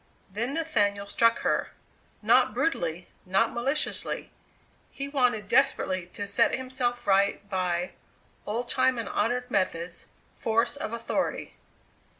Then Nathaniel struck her. Not brutally, not maliciously; he wanted desperately to set himself right by old time and honoured methods force of authority!